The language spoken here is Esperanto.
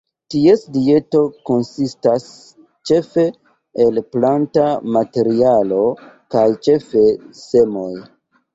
Ties dieto konsistas ĉefe el planta materialo kaj ĉefe semoj.